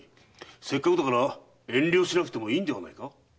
せっかくだから遠慮しなくてもいいんではないか？